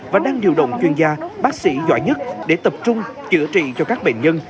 và đang điều động chuyên gia bác sĩ giỏi nhất để tập trung chữa trị cho các bệnh nhân